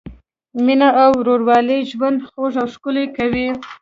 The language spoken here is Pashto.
مینه او ورورولي ژوند خوږ او ښکلی کوي.